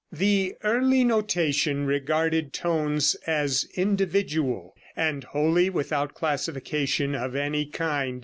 The early notation regarded tones as individual, and wholly without classification of any kind.